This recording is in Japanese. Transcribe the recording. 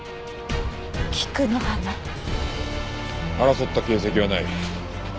争った形跡はない。